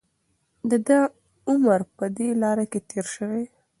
د ده عمر په دې لاره کې تېر شوی.